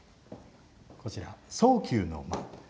こちら、草丘の間。